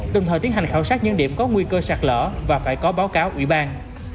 đồng thời tiến hành khảo sát những điểm có nguy cơ sạt lỡ và phải có báo cáo ủy ban